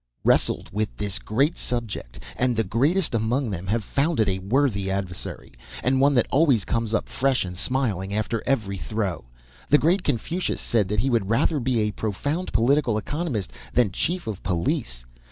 ] wrestled with this great subject, and the greatest among them have found it a worthy adversary, and one that always comes up fresh and smiling after every throw. The great Confucius said that he would rather be a profound political economist than chief of police.